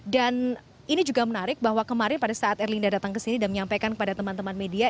dan ini juga menarik bahwa kemarin pada saat erlinda datang ke sini dan menyampaikan kepada teman teman media